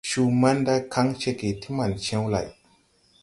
Cuu manda kaŋ ceege ti man cew lay.